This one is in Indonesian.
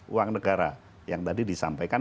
uang negara yang tadi disampaikan